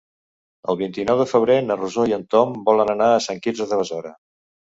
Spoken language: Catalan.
El vint-i-nou de febrer na Rosó i en Tom volen anar a Sant Quirze de Besora.